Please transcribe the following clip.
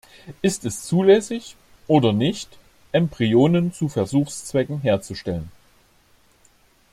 Ist es zulässig oder nicht, Embryonen zu Versuchszwecken herzustellen?